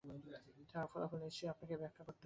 তার ফলাফল নিশ্চয়ই আপনাকে ব্যাখ্যা করতে হবে না।